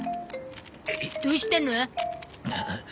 どうしたの？